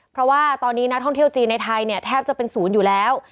เพราะว่าตอนนี้นักท่องเที่ยวจีนในไทยเนี่ยแทบจะเป็นศูนย์อยู่แล้ว